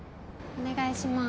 お願いします。